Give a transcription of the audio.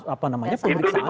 apa namanya perperiksaan itu